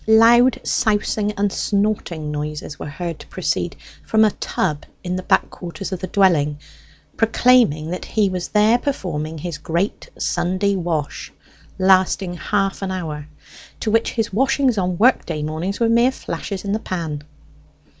Loud sousing and snorting noises were heard to proceed from a tub in the back quarters of the dwelling, proclaiming that he was there performing his great Sunday wash, lasting half an hour, to which his washings on working day mornings were mere flashes in the pan.